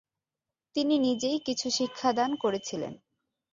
তিনি নিজেই কিছু শিক্ষাদান করেছিলেন।